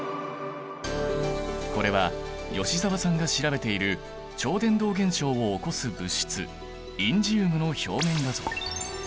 これは吉澤さんが調べている超伝導現象を起こす物質インジウムの表面画像。